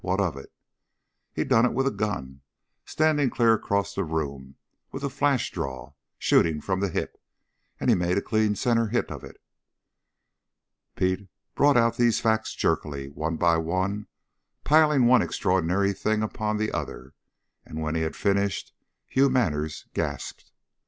What of it?" "He done it with a gun, standing clean across the room, with a flash draw, shooting from the hip and he made a clean center hit of it." Pete brought out these facts jerkily, one by one, piling one extraordinary thing upon the other; and when he had finished, Hugh Manners gasped.